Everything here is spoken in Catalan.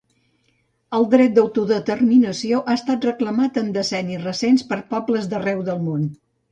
El dret d'autodeterminació ha estat reclamat en decennis recents per pobles d'arreu del món.